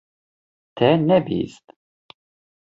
Te nebihîst.